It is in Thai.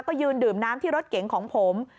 ก็ยืนดื่มน้ำที่รถเก๋งของผม